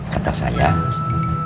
kota saya ustadz